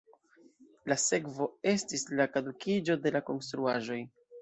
La sekvo estis la kadukiĝo de la konstruaĵoj.